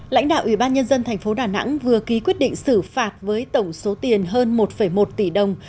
lãnh đạo ủy ban nhân dân tp đà nẵng vừa ký quyết định xử phạt với tổng số tiền hơn một một tỷ đồng